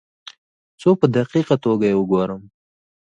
څو په دقیقه توګه یې وګورم.